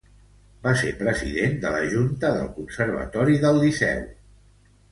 Va ser president de la Junta del Conservatori del Liceu.